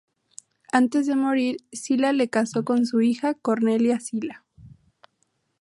Antes de morir, Sila le casó con su hija Cornelia Sila.